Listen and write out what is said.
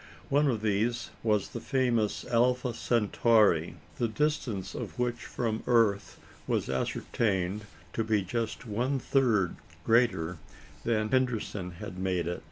One of these was the famous Alpha Centauri, the distance of which from the earth was ascertained to be just one third greater than Henderson had made it.